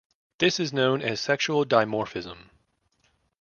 This is known as sexual dimorphism.